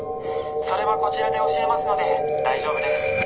それはこちらで教えますので大丈夫です。